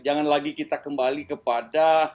jangan lagi kita kembali kepada